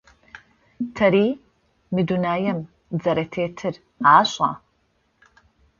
Тэри мы дунаим тызэрэтетыр ашӏа?